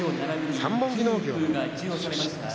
三本木農業の出身です。